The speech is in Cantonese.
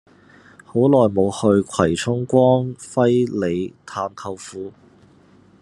好耐無去葵涌光輝里探舅父